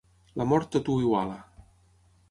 La mort tot ho iguala.